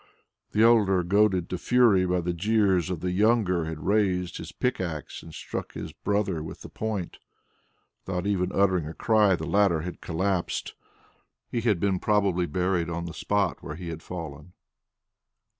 The elder, goaded to fury by the jeers of the younger, had raised his pickaxe and struck his brother with the point. Without even uttering a cry, the latter had collapsed. He had been probably buried on the spot where he had fallen.